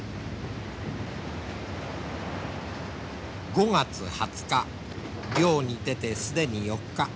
５月２０日漁に出て既に４日。